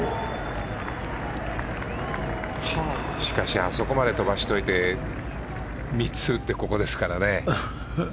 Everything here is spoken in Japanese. あそこまで飛ばしておいて３つ打ってここですからね。